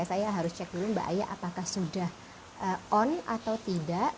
saya harus cek dulu mbak aya apakah sudah on atau tidak